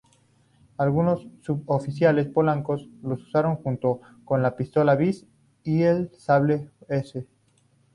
Algunos suboficiales polacos lo usaron junto con la pistola Vis y el sable wz.